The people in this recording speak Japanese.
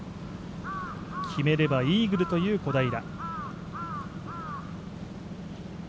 決めればイーグルという小平。